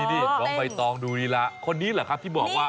นี่เราไปทองดูลีละคนนี้เหรอครับพี่บอกว่า